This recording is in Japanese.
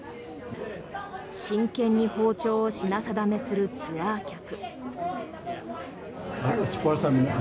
真剣に包丁を品定めするツアー客。